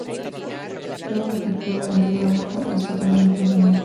Todo lo que ocurre en Río abajo es totalmente real.